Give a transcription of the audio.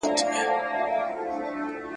هم د پسونو هم د هوسیانو ,